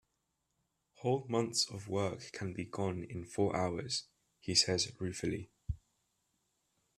'Whole months of work can be gone in four hours,' he says ruefully.